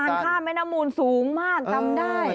สะพานฆ่าแม่น้ำมูลสูงมากจำได้